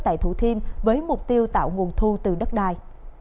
tại thủ thiêm với mục tiêu tạo nguồn thu từ đất đai